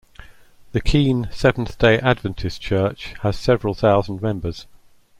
The Keene Seventh-day Adventist church has several thousand members.